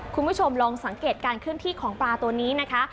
คุณผู้ชมลองสังเกตการเคลื่อนที่ของปลาตัวนี้นะคะ